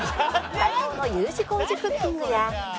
待望の Ｕ 字工事クッキングや